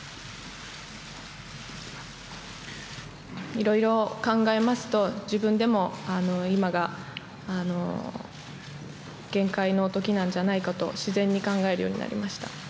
いろいろ考えますと自分でも今が限界の時なんじゃないかと自然に考えるようになりました。